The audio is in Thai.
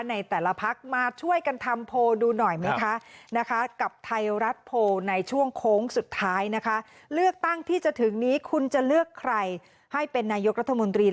ในแต่ละพักมาช่วยกันทำโพลดูหน่อยนะครับ